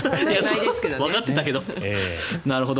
わかってたけどなるほど。